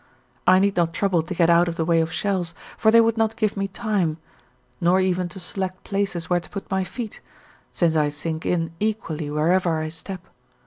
I need not trouble to get out of the way of shells, for they would not give me time, nor even to select places where to put my feet, since I sink in equally wherever I step.